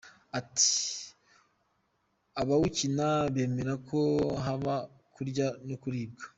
Ati” abawukina bemera ko haba kurya no kuribwa.